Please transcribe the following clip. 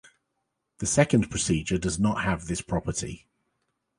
The second procedure does not have this property.